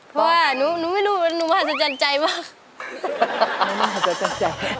เพราะว่าหนูไม่รู้หนูมหัศจรรย์ใจมาก